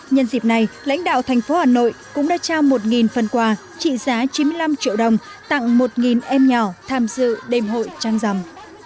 nhân dịp này lãnh đạo thành phố hà nội cũng đã trao một phần quà trị giá chín mươi năm triệu đồng tặng một em nhỏ tham dự đêm hội trăng rằm